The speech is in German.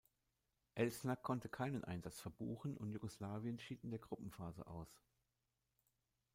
Elsner konnte keinen Einsatz verbuchen und Jugoslawien schied in der Gruppenphase aus.